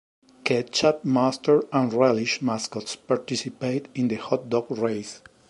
Ketchup, Mustard, and Relish mascots participate in the hot dog race.